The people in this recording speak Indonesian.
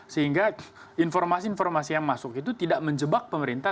sehingga informasi informasi yang masuk itu tidak menjebak pemerintah